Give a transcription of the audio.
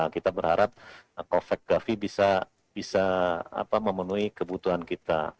kita berharap covid sembilan belas bisa memenuhi kebutuhan kita